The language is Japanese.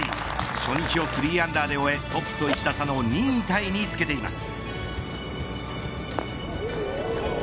初日を３アンダーで終えトップと１打差の２位タイにつけています。